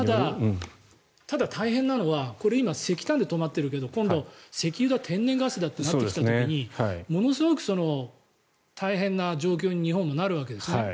ただ、大変なのはこれ、今、石炭で止まってるけど今度、石油だ、天然ガスだってなってきた時にものすごく大変な状況に日本もなるわけです。